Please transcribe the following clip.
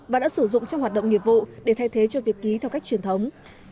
và đã sử dụng trong hoạt động nghiệp vụ để thay thế cho việc ký theo cách truyền thống